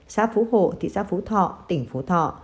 xã phú hộ thị xã phú thọ tỉnh phú thọ